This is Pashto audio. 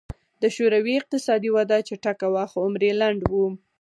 د شوروي اقتصادي وده چټکه وه خو عمر یې لنډ و